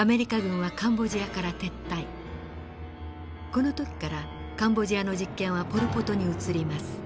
この時からカンボジアの実権はポル・ポトに移ります。